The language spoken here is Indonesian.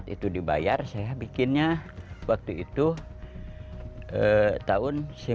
delapan puluh empat itu dibayar saya bikinnya waktu itu tahun sembilan puluh kesini sembilan puluh lima an